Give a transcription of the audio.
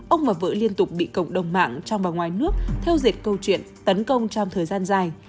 ông mà vợ liên tục bị cộng đồng mạng trong và ngoài nước theo dệt câu chuyện tấn công trong thời gian dài